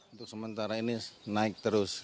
untuk sementara ini naik terus